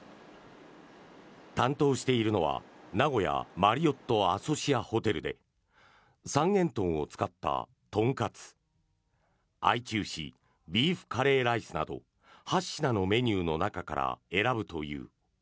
担当しているのは名古屋マリオットアソシアホテルで三元豚を使った豚カツあいち牛ビーフカレーライスなど８品のメニューの中から選ぶという。